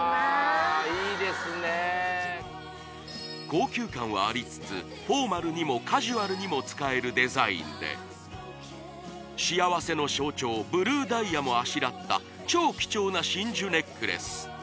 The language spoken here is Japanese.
高級感はありつつフォーマルにもカジュアルにも使えるデザインで幸せの象徴ブルーダイヤもあしらった超貴重な真珠ネックレス